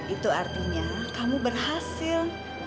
itu artinya kamu berhasil